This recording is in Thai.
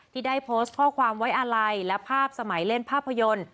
ที่ได้โพสต์ข้อความไว้อาลัยและภาพสมัยเล่นภาพยนตร์